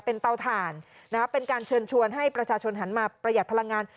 เป็นเตาถ่านเป็นการเชิญชวนให้ประชาชนหันมาประหยัดพลังงาน